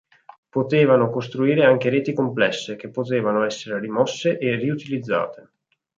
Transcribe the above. Potevano costituire anche reti complesse, che potevano essere rimosse e riutilizzate.